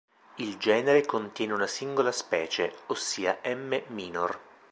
Il genere contiene una singola specie, ossia "M. minor".